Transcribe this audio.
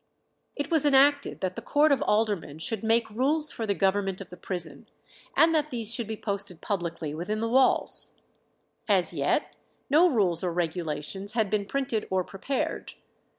It was enacted that the court of aldermen should make rules for the government of the prison, and that these should be posted publicly within the walls. As yet no rules or regulations had been printed or prepared.